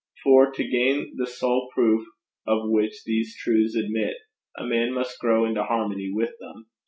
For to gain the sole proof of which these truths admit, a man must grow into harmony with them.